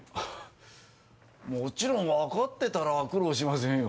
もちろんわかってたら苦労しませんよ。